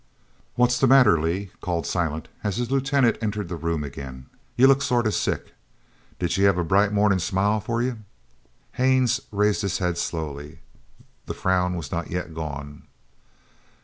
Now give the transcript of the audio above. "What's the matter, Lee?" called Silent as his lieutenant entered the room again. "You look sort of sick. Didn't she have a bright mornin' smile for you?" Haines raised his head slowly. The frown was not yet gone.